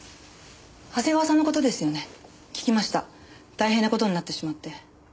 大変な事になってしまって。